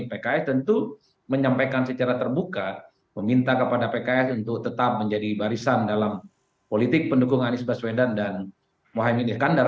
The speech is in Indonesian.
pks tentu menyampaikan secara terbuka meminta kepada pks untuk tetap menjadi barisan dalam politik pendukung anies baswedan dan mohaimin iskandar